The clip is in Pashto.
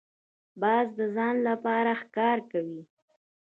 باز د ځان لپاره ښکار کوي